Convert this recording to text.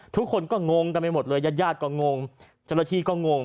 ทุกคนก็งงกันไปหมดเลยญาติญาติก็งงเจ้าหน้าที่ก็งง